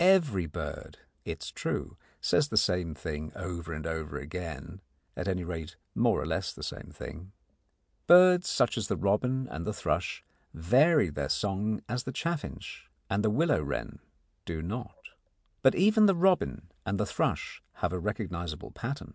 Every bird, it is true, says the same thing over and over again at any rate, more or less the same thing. Birds such as the robin and the thrush vary their song as the chaffinch and the willow wren do not. But even the robin and the thrush have a recognisable pattern.